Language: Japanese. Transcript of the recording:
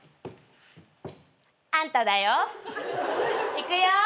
いくよ！